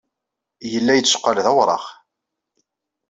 Yella yetteqqal d awraɣ.